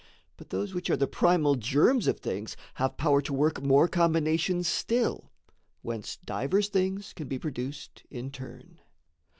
But those which are the primal germs of things Have power to work more combinations still, Whence divers things can be produced in turn.